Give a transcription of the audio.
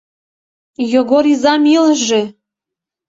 Йогор изам илыже!